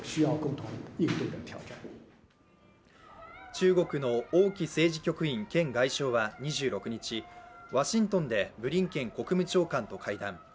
中国の王毅政治局員兼外相は２６日、ワシントンでブリンケン国務長官と会談。